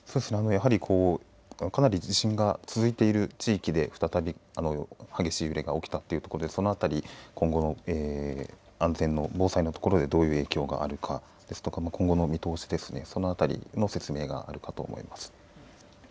やはりかなり地震が続いている地域で再び、激しい揺れが起きたということでそのあたり今後の安全の、防災のところでどういう影響があるかですとか今後の見通しですね、その辺りの説明があるかと思います。